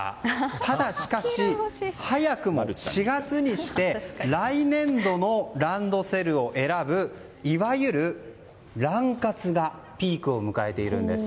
ただ、しかし、早くも４月にして来年度のランドセルを選ぶいわゆるラン活がピークを迎えているんです。